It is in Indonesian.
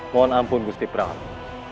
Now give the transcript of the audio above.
mohon ampun gusti pramu